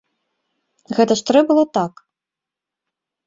Гэта ж трэ было так?!.